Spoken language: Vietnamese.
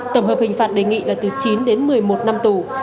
tổng hợp hình phạt đề nghị là từ chín đến một mươi một năm tù